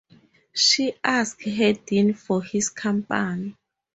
She asked Hedin for his company.